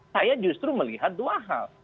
saya justru melihat dua hal